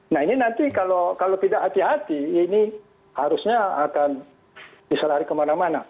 nah ini nanti kalau tidak hati hati ini harusnya akan bisa lari kemana mana